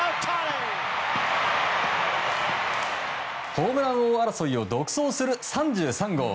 ホームラン王争いを独走する３３号。